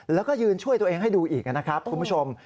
แล้วก็ยืนช่วยตัวเองให้ดูอีกนะครับคุณผู้ชม